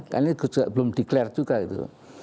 karena ini juga belum declare juga gitu